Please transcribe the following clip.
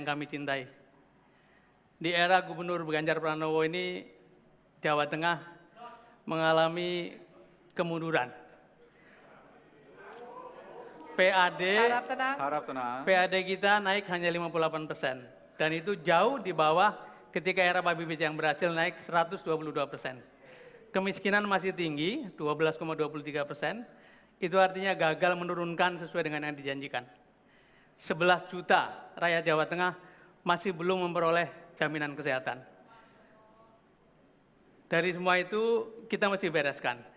kami mohon sedian anda semua untuk berdiri menyanyikan lagu kebangsaan indonesia raya